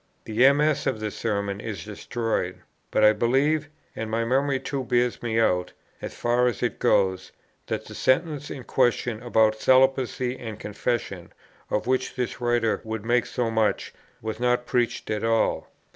The MS. of the Sermon is destroyed; but I believe, and my memory too bears me out, as far as it goes, that the sentence in question about Celibacy and Confession, of which this writer would make so much, was not preached at all.